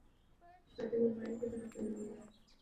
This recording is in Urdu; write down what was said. متعدی بیماری کی طرح پھیل گئی ہے